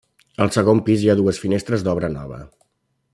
Al segon pis hi ha dues finestres d'obra nova.